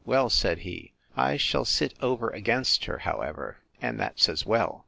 Well, said he, I shall sit over against her, however, and that's as well.